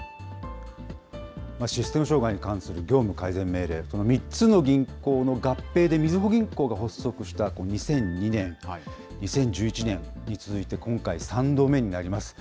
システム障害に関する業務改善命令、３つの銀行の合併で、みずほ銀行が発足した２００２年、２０１１年に続いて、今回３度目になります。